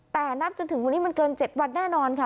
แต่นับจนถึงวันนี้มันเกิน๗วันแน่นอนค่ะ